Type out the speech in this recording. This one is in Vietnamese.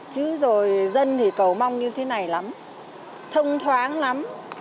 chứ rồi dân thì cầu mong như thế này lắm thông thoáng lắm